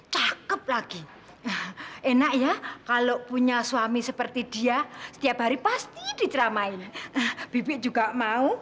cakep lagi enak ya kalau punya suami seperti dia setiap hari pasti diceramain bibit juga mau